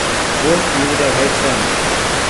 Both used a white sun.